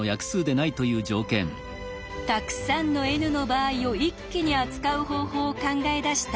たくさんのｎの場合を一気に扱う方法を考え出したジェルマン。